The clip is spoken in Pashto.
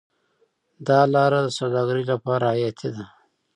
دا لاره د سوداګرۍ لپاره حیاتي ده.